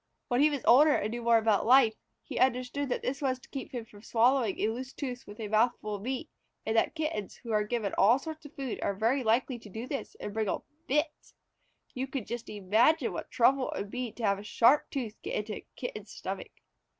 When he was older and knew more about life, he understood that this was to keep him from swallowing a loose tooth with a mouthful of meat, and that Kittens who are given all sorts of food are very likely to do this and bring on fits. You can just imagine what trouble it would make to have a sharp tooth get into a Kitten's stomach.